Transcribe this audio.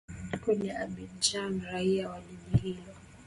kule abidjan raia wa jiji hilo